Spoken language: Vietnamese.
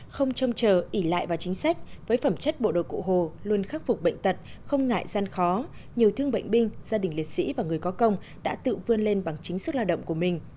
không trông chờ ỉ lại vào chính sách với phẩm chất bộ đội cụ hồ luôn khắc phục bệnh tật không ngại gian khó nhiều thương bệnh binh gia đình liệt sĩ và người có công đã tự vươn lên bằng chính sức lao động của mình